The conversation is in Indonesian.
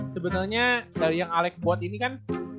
sebenernya dari yang alaik buat ini kan